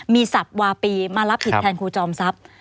มีศัพท์วาปีมารับผิดแทนครูจอมทรัพย์